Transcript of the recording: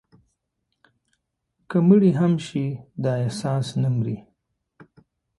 که مړي هم شي، دا احساس نه مري»